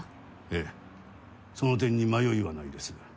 ええその点に迷いはないです。